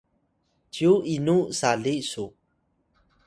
cyu inu sali su